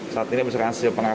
saat ini berhasil pengajian